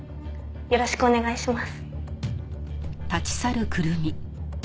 よろしくお願いします。